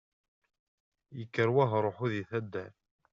Ikker wahruḥu di taddart.